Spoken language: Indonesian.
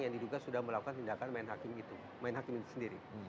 yang diduga sudah melakukan tindakan main hakim itu sendiri